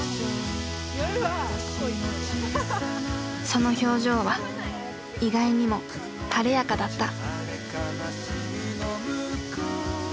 その表情は意外にも晴れやかだった。